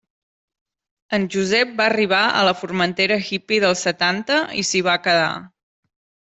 En Josep va arribar a la Formentera hippy dels setanta i s'hi va quedar.